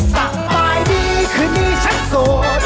ฝั่งบายดีคืนนี้ฉันโสด